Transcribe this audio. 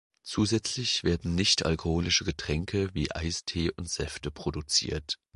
Zusätzlich werden nichtalkoholische Getränke wie Eistee und Säfte produziert.